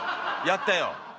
やったよ。